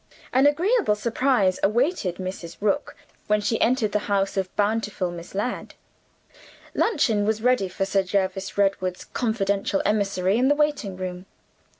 An agreeable surprise awaited Mrs. Rook when she entered the house of bountiful Miss Ladd. Luncheon was ready for Sir Jervis Redwood's confidential emissary in the waiting room.